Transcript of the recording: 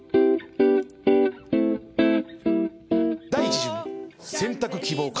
第１巡選択希望カレー。